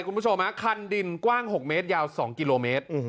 คุณผู้ชมคันดินกว้าง๖เมตรยาว๒กิโลเมตร